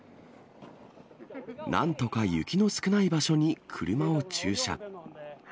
なんとか雪の少ない場所に車を駐車。